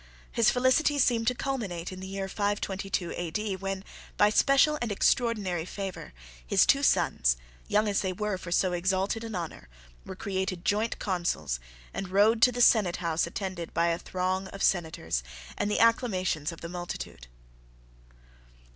His felicity seemed to culminate in the year 522 A.D., when, by special and extraordinary favour, his two sons, young as they were for so exalted an honour, were created joint Consuls and rode to the senate house attended by a throng of senators, and the acclamations of the multitude.